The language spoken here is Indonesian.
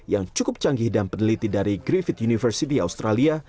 yang cukup canggih dan peneliti dari griffith university australia